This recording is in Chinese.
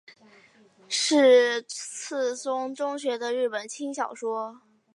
是赤松中学的日本轻小说。